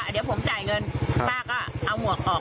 เดี๋ยวผมจ่ายเงินป้าก็เอาหมวกออก